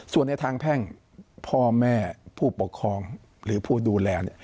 ส่วนในทางแพ่งพ่อแม่ผู้ปกครองหรือผู้ดูแล